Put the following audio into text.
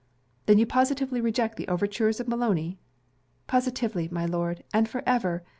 'You then positively reject the overtures of Maloney?' 'Positively, my Lord and for ever!